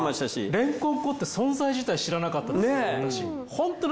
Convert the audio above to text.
れんこん粉って存在自体知らなかったです私。